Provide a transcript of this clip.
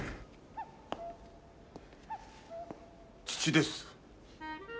父です。